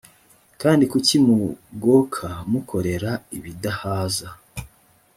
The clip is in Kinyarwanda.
kandi kuki mugoka mukorera ibidahaza